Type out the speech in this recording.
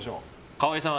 川合さん